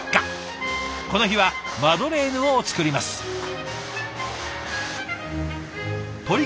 この日はマドレーヌを作ります。